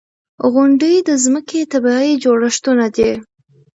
• غونډۍ د ځمکې طبعي جوړښتونه دي.